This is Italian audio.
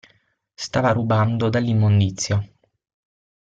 Stava rubando dall'immondizia.